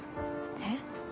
えっ